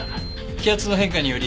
気圧の変化により。